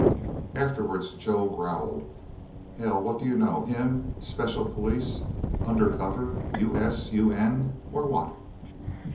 Afterwards, Joe growled, "Hell what do you know! Him...! Special Police. Undercover. U.N., U.S., or what?"